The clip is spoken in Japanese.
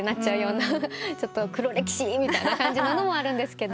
「黒歴史」みたいな感じなのもあるんですけど。